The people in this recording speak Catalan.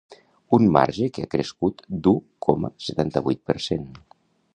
Un marge que ha crescut d’u coma setanta-vuit per cent.